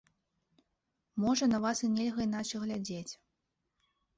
Можа, на вас і нельга іначай глядзець.